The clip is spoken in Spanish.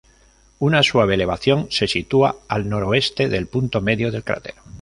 Una suave elevación se sitúa al noroeste del punto medio del cráter.